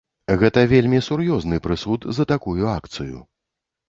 Гэта вельмі сур'ёзны прысуд за такую акцыю.